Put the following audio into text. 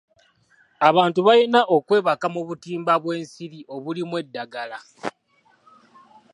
Abantu balina okwebaka mu butimba bw'ensiri obulimu eddagala.